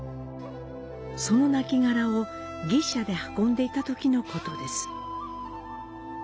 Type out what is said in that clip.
そのなきがらを牛車で運んでいたときのことです。